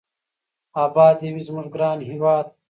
اباد دې وي زموږ ګران هېواد.